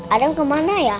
adam kemana ya